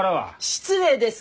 失礼です